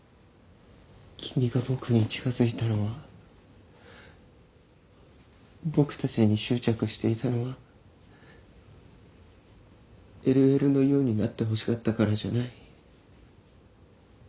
君が僕に近づいたのは僕たちに執着していたのはＬＬのようになってほしかったからじゃない。